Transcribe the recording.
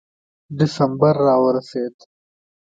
ډسمبر را ورسېد.